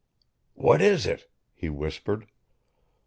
"What is it?" he whispered.